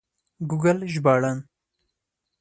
ګوګل ژباړن